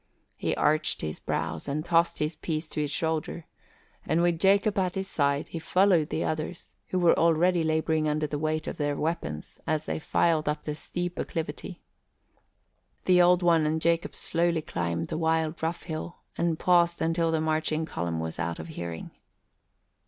He arched his brows and tossed his piece to his shoulder, and with Jacob at his side, he followed the others, who were already labouring under the weight of their weapons as they filed up the steep acclivity. The Old One and Jacob slowly climbed the wild, rough hill and paused until the marching column was out of hearing.